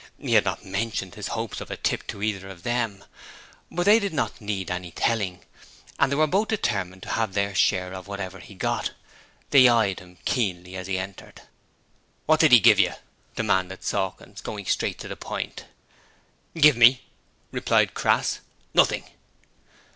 He had not mentioned his hopes of a tip to either of them, but they did not need any telling and they were both determined to have their share of whatever he got. They eyed him keenly as he entered. 'What did 'e give yer?' demanded Sawkins, going straight to the point. 'Give me?' replied Crass. 'Nothing!'